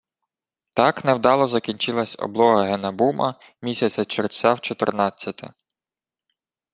Так невдало закінчилась облога Генабума місяця червця в чотирнадцяте.